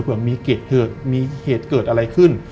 เผื่อมีเหตุเกิดอะไรขึ้น